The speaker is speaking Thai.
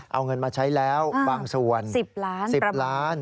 เอาเงินมาใช้แล้วบางส่วน๑๐ล้าน